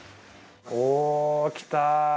おきた。